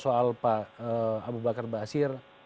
soal pak abu bakar basir